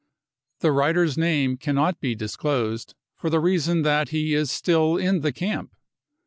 The writer's name can not be disclosed, for the reason that he is still in the camp.